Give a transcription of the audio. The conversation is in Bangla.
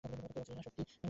কেবল শ্রী নয়, শক্তি।